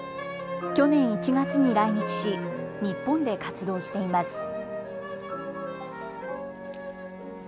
去年１月に来日し日本で活動しています。